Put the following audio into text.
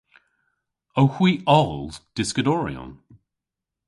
Owgh hwi oll dyskadoryon?